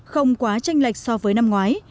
không quá tranh lệch so với năm ngoái